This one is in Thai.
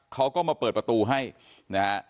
เขาก็มาเปิดประตูให้นะฮะ